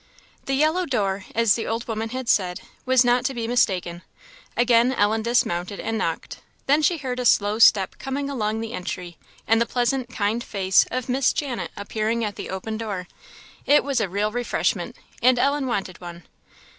The yellow door, as the old woman had said, was not to be mistaken. Again Ellen dismounted and knocked; then she heard a slow step coming along the entry, and the pleasant, kind face of Miss Janet appeared at the open door. It was a real refreshment, and Ellen wanted one.